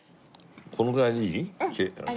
このぐらいでいい？